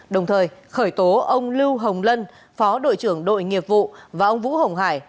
đồng thời khởi tố ông lưu hồng lân phó đội trưởng đội nghiệp vụ và ông vũ hồng hải